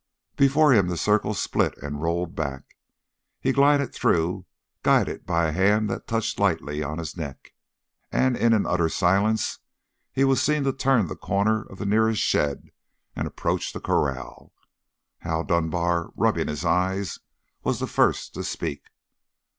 Before him the circle split and rolled back. He glided through, guided by a hand that touched lightly on his neck, and in an utter silence he was seen to turn the corner of the nearest shed and approach the corral. Hal Dunbar, rubbing his eyes, was the first to speak.